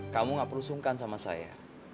kamu gak perlu sungkan sama saya